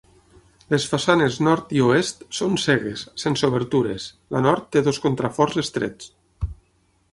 Les façanes nord i oest són cegues, sense obertures; la nord té dos contraforts estrets.